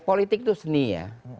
politik itu seni ya